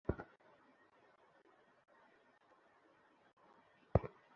সেনাবাহিনীর একজন ক্যাপ্টেন বাবার ব্যাপারে কলেজের অধ্যক্ষ আবু সুফিয়ান সাহেবকে জিজ্ঞাসাবাদ করে।